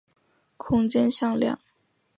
空间向量并不足以完整描述空间中的旋转。